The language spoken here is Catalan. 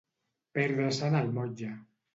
Perdre-se'n el motlle.